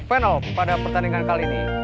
final pada pertandingan kali ini